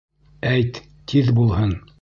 Әйт, тиҙ бул!